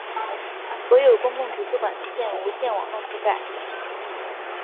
所有公共图书馆实现无线网络覆盖。